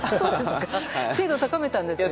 精度を高めたんですよね？